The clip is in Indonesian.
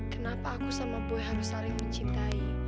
kenapa aku sama pue harus saling mencintai